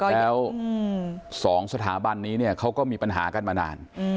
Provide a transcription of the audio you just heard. แล้ว๒สถาบันนี้เนี่ยเขาก็มีปัญหากันมานาน